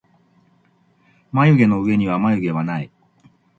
まゆげのうえにはまゆげはない